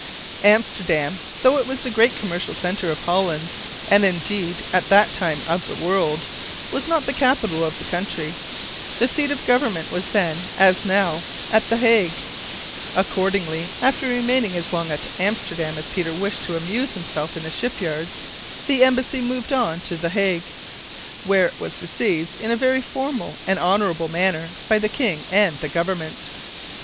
Amsterdam, though it was the great commercial centre of Holland and, indeed, at that time, of the world was not the capital of the country. The seat of government was then, as now, at the Hague. Accordingly, after remaining as long at Amsterdam as Peter wished to amuse himself in the ship yards, the embassy moved on to the Hague, where it was received in a very formal and honorable manner by the king and the government.